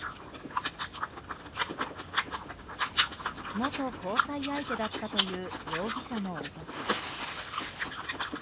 元交際相手だったという容疑者の男。